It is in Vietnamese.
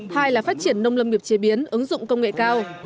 hai là phát triển nông lâm nghiệp chế biến ứng dụng công nghệ cao